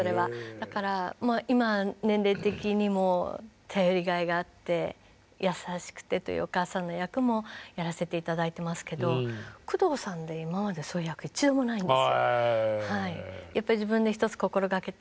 だから今年齢的にも頼りがいがあって優しくてというお母さんの役もやらせて頂いてますけど宮藤さんで今までそういう役一度もないんです。